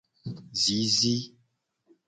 Zizi.